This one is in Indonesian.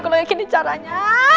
gue gak yakin ini caranya